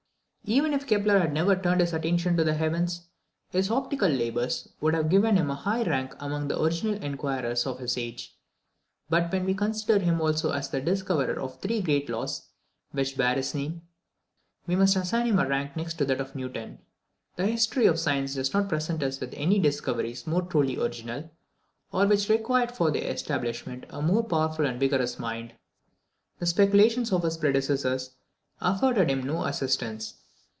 Even if Kepler had never turned his attention to the heavens, his optical labours would have given him a high rank among the original inquirers of his age; but when we consider him also as the discoverer of the three great laws which bear his name, we must assign him a rank next to that of Newton. The history of science does not present us with any discoveries more truly original, or which required for their establishment a more powerful and vigorous mind. The speculations of his predecessors afforded him no assistance.